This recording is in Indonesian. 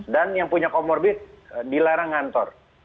dan yang punya komorbid dilarang kantor